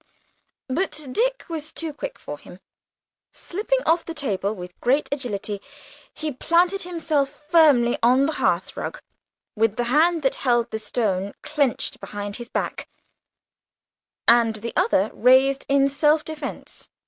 But Dick was too quick for him. Slipping off the table with great agility, he planted himself firmly on the hearth rug, with the hand that held the stone clenched behind his back, and the other raised in self defence.